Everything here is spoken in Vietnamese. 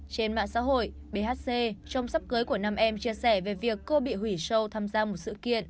trên mạng xã hội bhc trong sắp cưới của nam em chia sẻ về việc cô bị hủy show tham gia một sự kiện